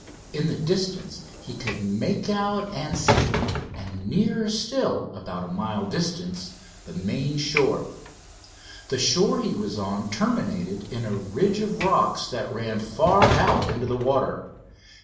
In the distance he could make out Anseton, and nearer still, about a mile distant, the main shore. The shore he was on terminated in a ridge of rocks that ran far out into the water.